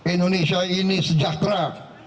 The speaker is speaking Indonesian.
indonesia ini sejahtera